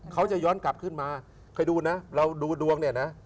เขาจะย้อนกลับขึ้นมาเคยดูนะเราดูดวงเนี่ยนะ